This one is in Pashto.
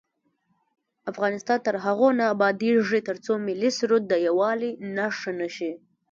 افغانستان تر هغو نه ابادیږي، ترڅو ملي سرود د یووالي نښه نشي.